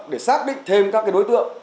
để xác định thêm các cái đối tượng